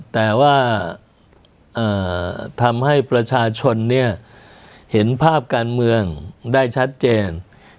แต่ว่าทำให้ประชาชนเห็นภาพการเมืองได้ชัดเจน